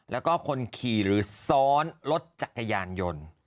แล้วก็คนขี่หรือซ้อนรถจักรยานยนต์